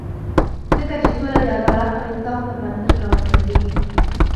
ځکه چې سوله د عدالت او انصاف پر بنسټ رامنځته کېږي.